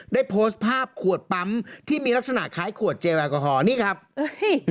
ได้โพสต์ภาพขวดปั๊มที่มีลักษณะคล้ายขวดเจลแอลกอฮอลนี่ครับเฮ้ย